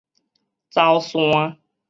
走山